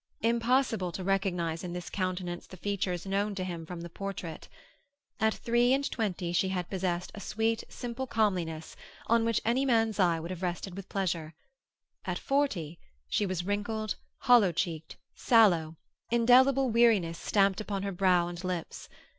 Impossible to recognize in this countenance the features known to him from the portrait. At three and twenty she had possessed a sweet, simple comeliness on which any man's eye would have rested with pleasure; at forty she was wrinkled, hollow cheeked, sallow, indelible weariness stamped upon her brow and lips.